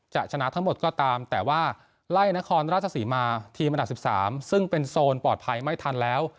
จะชนะทั้งหมดก็ตามแต่ว่าไล่นครราชศรีมาทีมอันดับ๑๓ซึ่งเป็นโซนปลอดภัยไม่ทันแล้ว